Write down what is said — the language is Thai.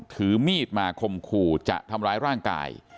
ถือมีดมาคมขู่จะทำร้ายร่างกาย